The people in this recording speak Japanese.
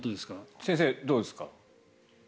先生、どうですか？